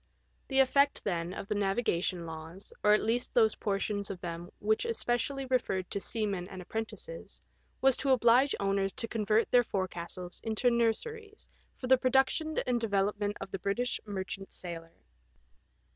The effect, then, of the navigation laws, or at least those portions of them which especially referred to seamen and apprentices, was to oblige owners to convert their forecastles into nurseries for the produc tion and development of the British merchant sailor.